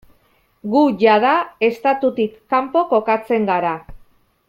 Gu jada estatutik kanpo kokatzen gara.